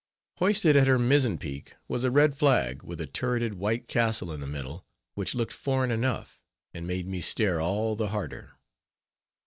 Hoisted at her mizzen peak was a red flag, with a turreted white castle in the middle, which looked foreign enough, and made me stare all the harder.